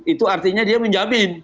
itu artinya dia menjamin